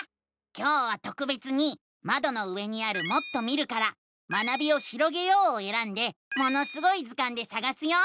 今日はとくべつにまどの上にある「もっと見る」から「学びをひろげよう」をえらんで「ものすごい図鑑」でさがすよ。